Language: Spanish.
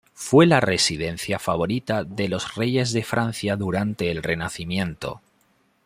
Fue la residencia favorita de los reyes de Francia durante el Renacimiento.